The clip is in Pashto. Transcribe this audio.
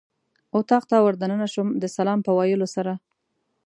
اتاق ته ور دننه شوم د سلام په ویلو سره.